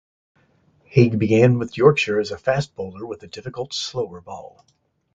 Haigh began with Yorkshire as a fast bowler with a difficult slower ball.